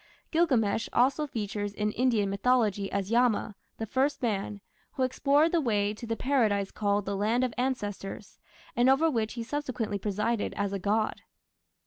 Gilgamesh also figures in Indian mythology as Yama, the first man, who explored the way to the Paradise called "The Land of Ancestors", and over which he subsequently presided as a god.